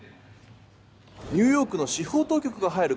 ニューヨークの司法当局が入る